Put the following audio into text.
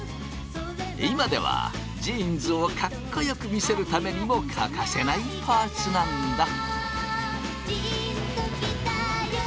今ではジーンズをかっこよく見せるためにも欠かせないパーツなんだ。